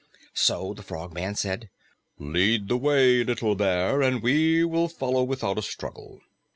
So the Frogman said, "Lead the way, little Bear, and we will follow without a struggle."